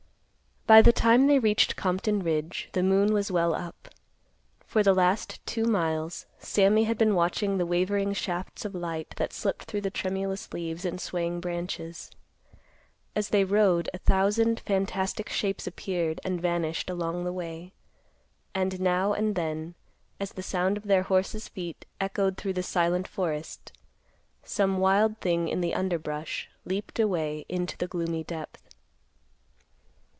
By the time they reached Compton Ridge the moon was well up. For the last two miles Sammy had been watching the wavering shafts of light that slipped through tremulous leaves and swaying branches. As they rode, a thousand fantastic shapes appeared and vanished along the way, and now and then as the sound of their horses' feet echoed through the silent forest, some wild thing in the underbrush leaped away into the gloomy depth.